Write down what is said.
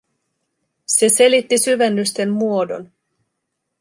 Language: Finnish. Se selitti syvennysten muodon.